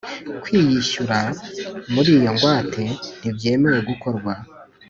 kwiyishyura muri iyo ngwate ntibyemewe gukorwa